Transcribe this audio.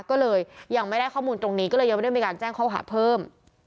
ก็เลยยังไม่ได้ข้อมูลตรงนี้ก็เลยยังไม่ได้มีการแจ้งข้อหาเพิ่ม